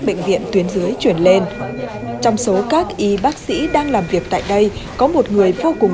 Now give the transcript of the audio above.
bệnh viện tuyến dưới chuyển lên trong số các y bác sĩ đang làm việc tại đây có một người vô cùng